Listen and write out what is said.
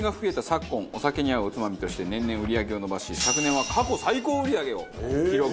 昨今お酒に合うおつまみとして年々売り上げを伸ばし昨年は過去最高売り上げを記録。